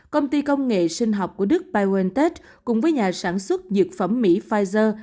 công ty công nghệ sinh học của đức biontech cùng với nhà sản xuất dược phẩm mỹ pfizer